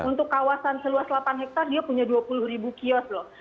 untuk kawasan seluas delapan hektare dia punya dua puluh ribu kios loh